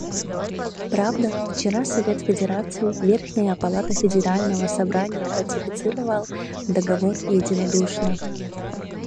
Правда, вчера Совет Федерации − верхняя палата Федерального Собрания − ратифицировал Договор единодушно.